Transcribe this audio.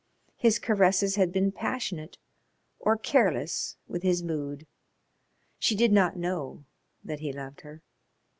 His caresses had been passionate or careless with his mood. She did not know that he loved her.